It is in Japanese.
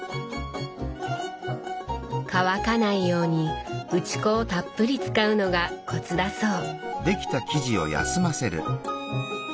乾かないように打ち粉をたっぷり使うのがコツだそう。